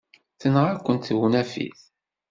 Tenɣa-kent tewnafit.